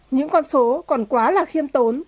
những con số còn quá là khiêm tốn